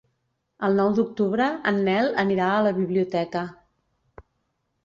El nou d'octubre en Nel anirà a la biblioteca.